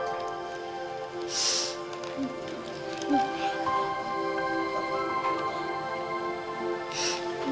aku sudah penuh dengan senang hatiku